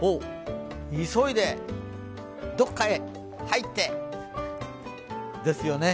急いで、どこかへ入って！ですよね。